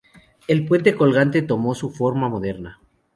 El puente colgante tomó su forma moderna.